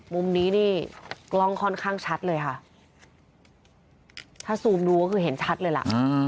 มุมนี้นี่กล้องค่อนข้างชัดเลยค่ะถ้าซูมดูก็คือเห็นชัดเลยล่ะ